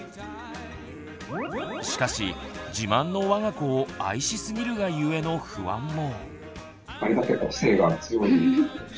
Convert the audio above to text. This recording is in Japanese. しかし自慢の我が子を愛しすぎるがゆえの不安も。